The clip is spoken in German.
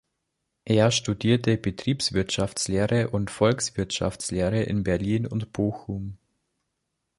Er studierte Betriebswirtschaftslehre und Volkswirtschaftslehre in Berlin und Bochum.